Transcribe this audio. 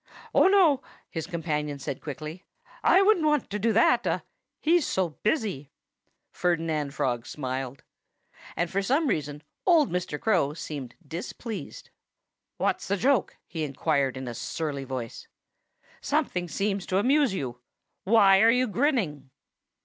"Oh, no!" his companion said quickly. "I wouldn't want to do that he's so busy." Ferdinand Frog smiled. And for some reason old Mr. Crow seemed displeased. "What's the joke?" he inquired in a surly tone. "Something seems to amuse you. Why are you grinning?"